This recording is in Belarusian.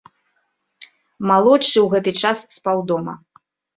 Малодшы ў гэты час спаў дома.